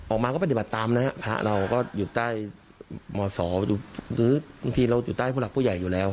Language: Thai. ออกมาก็ปฏิบัติตามนะฮะพระเราก็อยู่ใต้มศหรือบางทีเราอยู่ใต้ผู้หลักผู้ใหญ่อยู่แล้ว